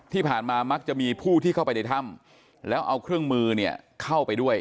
ที่ผ่านมามักจะมีผู้ที่เข้าไปในถ้ำแล้วเอาเครื่องมือเข้าไปด้วย